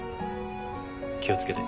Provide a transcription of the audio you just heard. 気を付けて。